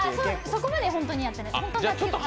そこまではホントにやってない。